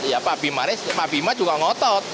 ya pak bimanes pak bimas juga ngotot